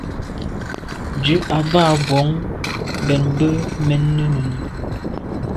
Ndù à ba mbwon mbèn mbe mènnenùne.